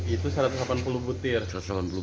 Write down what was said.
itu satu ratus delapan puluh butir